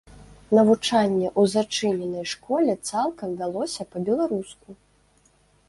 Навучанне у зачыненай школе цалкам вялося па-беларуску.